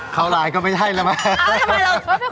เข้าร้านก็ไม่ใช่แล้วไหม